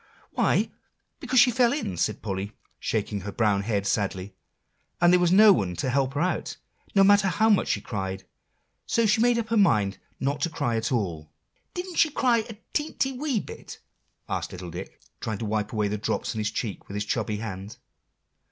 "Why, because she fell in," said Polly, shaking her brown head sadly, "and there was no one to help her out, no matter how much she cried; so she made up her mind not to cry at all." "Didn't she cry a teenty, wee bit?" asked little Dick, trying to wipe away the drops on his cheeks with his chubby hand.